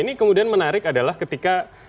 ini kemudian menarik adalah ketika